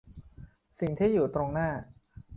สิ่งที่อยู่ตรงหน้า